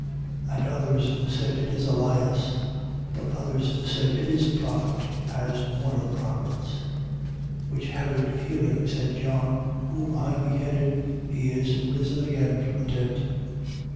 6:15. And others said: It is Elias. But others said: It is a prophet, as one of the prophets. 6:16. Which Herod hearing, said: John whom I beheaded, he is risen again from the dead.